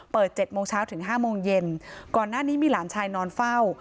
๗โมงเช้าถึง๕โมงเย็นก่อนหน้านี้มีหลานชายนอนเฝ้า